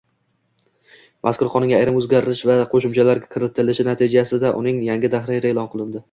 Mazkur qonunga ayrim oʻzgartish va qoʻshimchalar kiritilishi natijasida uning yangi tahriri eʼlon qilindi.